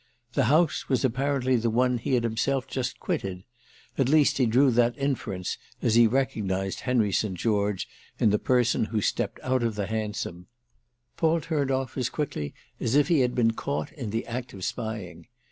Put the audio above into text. The house was apparently the one he himself had just quitted; at least he drew that inference as he recognised Henry St. George in the person who stepped out of the hansom. Paul turned off as quickly as if he had been caught in the act of spying.